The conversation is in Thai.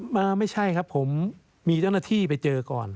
ไม่ใช่ครับผมมีเจ้าหน้าที่ไปเจอก่อน